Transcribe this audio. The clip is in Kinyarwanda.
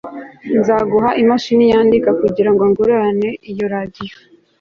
Nzaguha imashini yandika kugirango ngurane iyo radio